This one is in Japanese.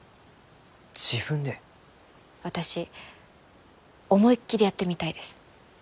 私思いっきりやってみたいです。